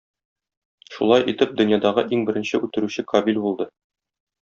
Шулай итеп, дөньядагы иң беренче үтерүче Кабил булды.